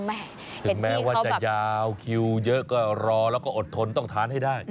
ถึงแม้ว่าจะยาวคิวเยอะก็รอแล้วก็อดทนต้องทานให้ได้